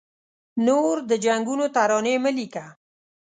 نور د جنګونو ترانې مه لیکه